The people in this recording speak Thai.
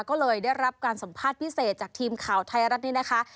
ก็เลยได้รับการสัมภาษณ์พิเศษจากทีมข่าวไทยรัฐนี้นะคะ